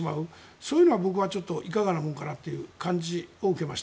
そういうのは僕はちょっといかがなものかなという感じを受けました。